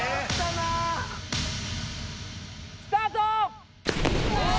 スタート！